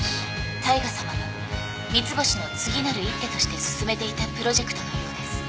大海さまが三ツ星の次なる一手として進めていたプロジェクトのようです。